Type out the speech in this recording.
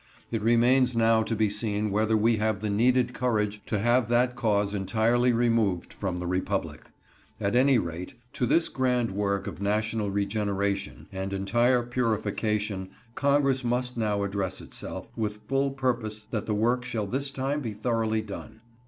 It remains now to be seen whether we have the needed courage to have that cause entirely removed from the Republic. At any rate, to this grand work of national regeneration and entire purification Congress must now address Itself, with full purpose that the work shall this time be thoroughly done.